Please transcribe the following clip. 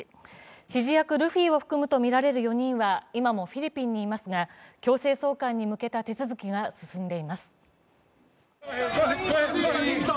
指示役ルフィを含むとみられる４人は今もフィリピンにいますが強制送還に向けた手続きが進んでいます。